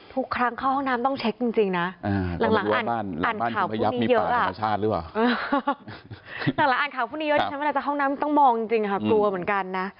ทุกครั้งเข้าห้องน้ำต้องเช็กจริงนะหลังอ่านข่าวผู้นี้เยอะ